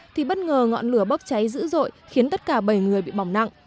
thì bất ngờ ngọn lửa bốc cháy dữ dội khiến tất cả bảy người bị bỏng nặng